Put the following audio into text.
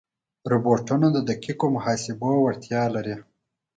روبوټونه د دقیقو محاسبې وړتیا لري.